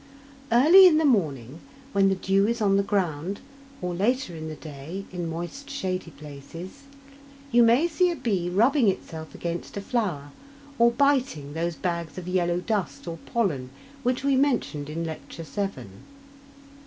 Early in the morning, when the dew is on the ground, or later in the day, in moist shady places, you may see a bee rubbing itself against a flower, or biting those bags of yellow dust or pollen which we mentioned in Lecture VII.